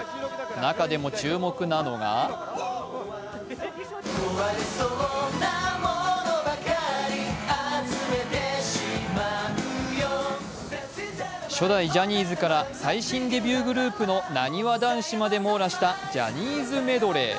中でも注目なのが初代ジャニーズから最新デビューグループのなにわ男子まで網羅したジャニーズメドレー。